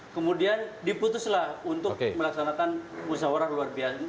kemudian diputuslah untuk melaksanakan usaha orang luar biasa